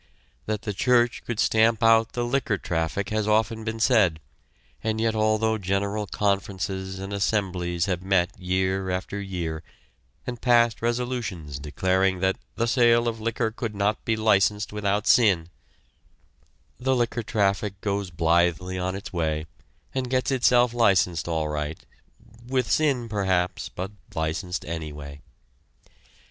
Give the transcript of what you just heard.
That the church could stamp out the liquor traffic has often been said, and yet although general conferences and assemblies have met year after year, and passed resolutions declaring that "the sale of liquor could not be licensed without sin," the liquor traffic goes blithely on its way and gets itself licensed all right, "with sin," perhaps, but licensed anyway.